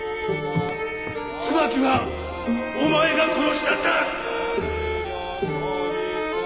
椿はお前が殺したんだ！